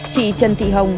chị trần thị hồng